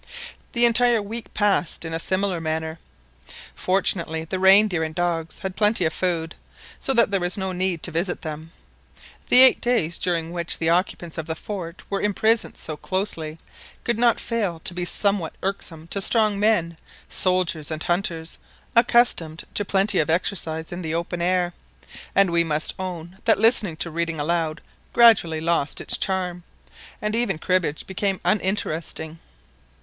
The entire week passed in a similar manner; fortunately the rein deer and dogs had plenty of food, so that there was no need to visit them. The eight days during which the occupants of the fort were imprisoned so closely, could not fail to be somewhat irksome to strong men, soldiers and hunters, accustomed to plenty of exercise in the open air; and we must own that listening to reading aloud gradually lost its charm, and even cribbage became uninteresting.